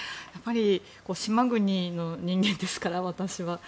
島国の人間ですから、私は。